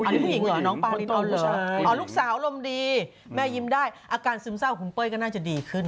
อันนี้ผู้หญิงเหรอน้องปารินท์เหรอลูกสาวอารมณ์ดีแม่ยิ้มได้อาการซึมเศร้าของคุณเป้ยก็น่าจะดีขึ้น